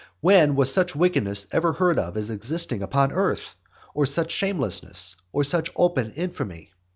When was such wickedness ever heard of as existing upon earth? or such shamelessness? or such open infamy?